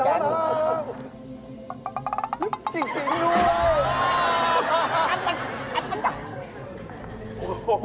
จัดมัน